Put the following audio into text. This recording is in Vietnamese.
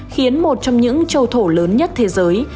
khiến một trong những châu thổ lớn nhất thế giới